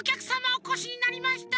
おこしになりました。